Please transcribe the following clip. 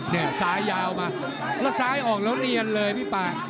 นี่ซ้ายยาวมาแล้วซ้ายออกแล้วเนียนเลยพี่ป่า